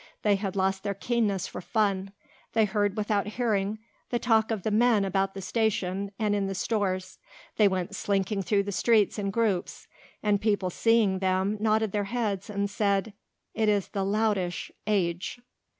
They had lost their keenness for fun, they heard without hearing the talk of the men about the station and in the stores, they went slinking through the streets in groups and people seeing them nodded their heads and said, "It is the loutish age."